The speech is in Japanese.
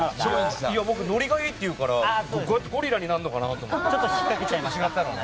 僕、ノリがいいっていうからゴリラになるのかなって。